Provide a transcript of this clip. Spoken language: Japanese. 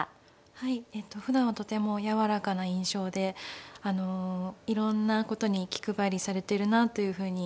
はいえっとふだんはとてもやわらかな印象でいろんなことに気配りされているなというふうに思っています。